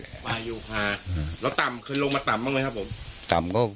ปายุคาแล้วต่ำขึ้นลงมาต่ำบ้างมั้ยครับผม